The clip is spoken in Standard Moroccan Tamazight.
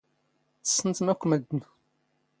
ⵜⵙⵙⵏⵜⵎ ⴰⴽⴽⵯ ⵎⴷⴷⵏ.